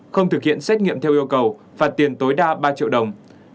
không thực hiện xét nghiệm theo yêu cầu phạt tiền tối đa ba triệu đồng